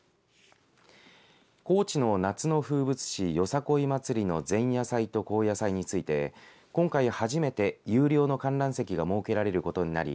高知の夏の風物詩よさこい祭りの前夜祭と後夜祭について今回初めて有料の観覧席が設けられることになり